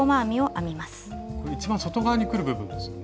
これ一番外側にくる部分ですよね。